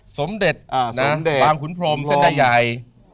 สมเด็จบางขุนพรมเส้นได้ใหญ่